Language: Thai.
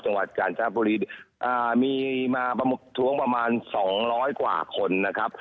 จังหวัดกาญจนบุรีมีมาประท้วงประมาณสองร้อยกว่าคนนะครับ